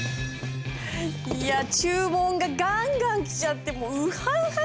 いや注文がガンガン来ちゃってもうウハウハだな。